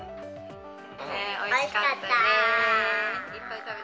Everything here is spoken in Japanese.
おいしかったー！